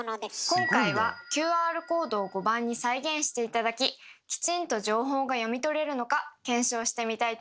今回はＱＲコードを碁盤に再現して頂ききちんと情報が読み取れるのか検証してみたいと思います。